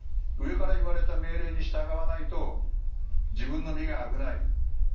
上から言われた命令に従わないと自分の身が危ない。